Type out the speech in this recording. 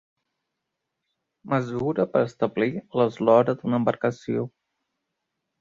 Mesura per establir l'eslora d'una embarcació.